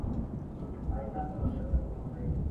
ہماری شکست کے اسباب کیا ہیں